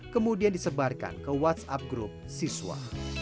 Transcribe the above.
kemudian disebarkan ke whatsapp group siswa